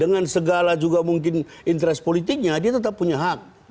dengan segala juga mungkin interest politiknya dia tetap punya hak